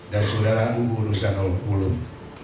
dan saudara uu ruzanul ulum